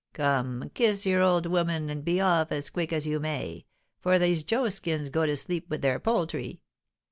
Come, kiss your old woman, and be off as quick as you may, for these joskins go to sleep with their poultry.